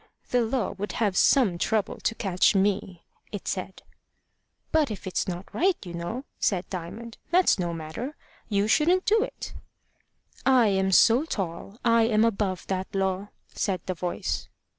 "The law would have some trouble to catch me!" it said. "But if it's not right, you know," said Diamond, "that's no matter. You shouldn't do it." "I am so tall I am above that law," said the voice.